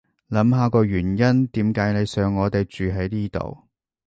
諗下個原因點解你想我哋住喺呢度